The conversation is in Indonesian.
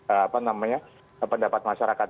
apa namanya pendapat masyarakat